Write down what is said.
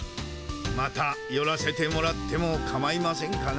またよらせてもらってもかまいませんかな？